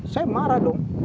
saya marah dong